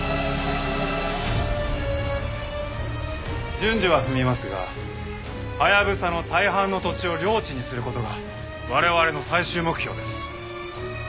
順序は踏みますがハヤブサの大半の土地を領地にする事が我々の最終目標です。